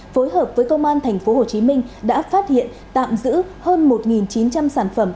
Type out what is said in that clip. phối hợp với công an tp hcm đã phát hiện tạm giữ hơn một chín trăm linh sản phẩm